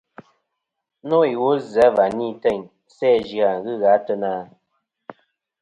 Nô iwo zɨ̀ a va ni teyn sæ zɨ-a ghɨ gha ateyna ?